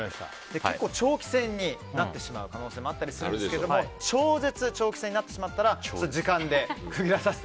結構、長期戦になってしまう可能性もあったりするんですが超絶長期戦になってしまったら超絶。